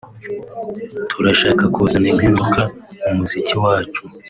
turashaka kuzana impinduka mu muziki wacu